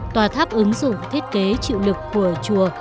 tòa tháp ứng dụng thiết kế chịu lực của chùa